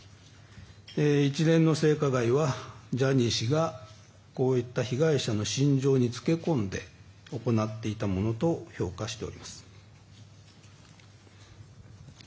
一連の性加害はジャニー氏がこういった被害者の心情につけ込んで行っていたものと評価しております。